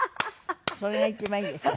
それが一番いいですよ。